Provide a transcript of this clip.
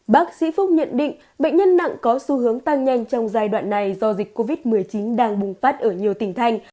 bác sĩ phúc nhận định bệnh nhân nặng có xu hướng tăng nhanh trong giai đoạn này do dịch covid một mươi chín đang bùng phát ở nhiều tỉnh thành